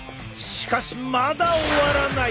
しかしまだ終わらない！